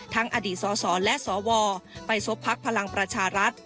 อดีตสสและสวไปซบพักพลังประชารัฐ